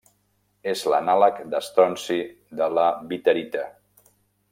És l'anàleg d'estronci de la witherita.